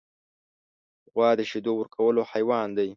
غوا د شیدو ورکولو حیوان دی.